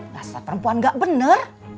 rasanya perempuan nggak bener